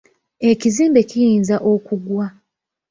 Ekizimbe kiyinza okugwa .